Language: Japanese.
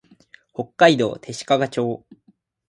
北海道弟子屈町